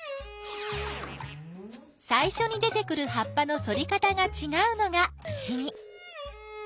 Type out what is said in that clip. さいしょに出てくる葉っぱの反り方がちがうのがふしぎ。